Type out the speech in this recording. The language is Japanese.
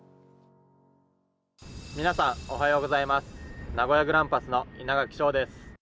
皆さん、おはようございます名古屋グランパスの稲垣祥です。